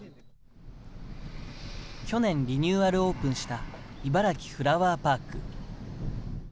去年、リニューアルオープンしたいばらきフラワーパーク。